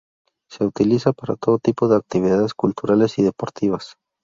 Se utiliza para todo tipo de actividades culturales y deportivas.